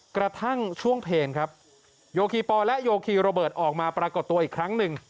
กระทั่งช่วงเพลงครับโยคีปอลและโยคีโรเบิร์ตออกมาปรากฏตัวอีกครั้งหนึ่ง